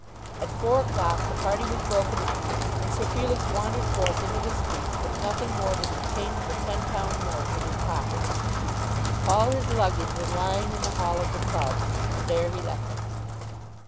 At four o'clock the party was broken up and Sir Felix wandered forth into the streets, with nothing more than the change of a ten pound note in his pocket. All his luggage was lying in the hall of the club, and there he left it.